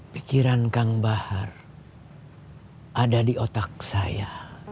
pikiran kang bahar ada di otak saya